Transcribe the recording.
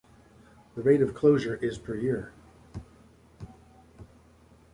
The rate of closure is per year.